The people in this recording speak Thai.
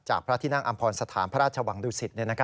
พระที่นั่งอำพรสถานพระราชวังดุสิต